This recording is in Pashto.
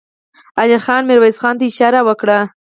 علی خان ميرويس خان ته اشاره وکړه.